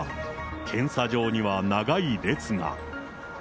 検査場には長い列が。